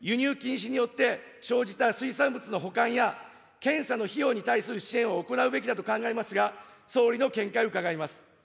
政府として、輸入禁止によって、生じた水産物の保管や、検査の費用に対する支援を行うべきだと考えますが、総理の見解を伺います。